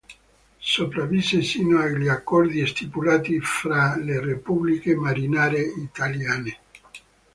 Sopravvisse sino agli accordi stipulati fra le repubbliche marinare italiane.